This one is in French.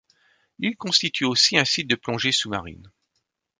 L'île constitue aussi un site de plongée sous-marine.